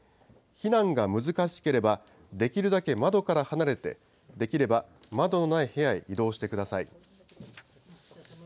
避難が難しければ、できるだけ窓から離れて、できれば窓のない部屋へ移動してください。